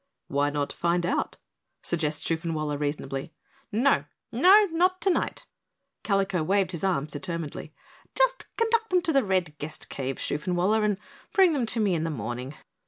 "Why not find out?" suggested Shoofenwaller reasonably. "No! No, not tonight," Kalico waved his hands determinedly. "Just conduct them to the red guest cave, Shoofenwaller, and bring them to me in the morning."